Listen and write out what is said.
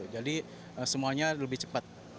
jadi semuanya lebih cepat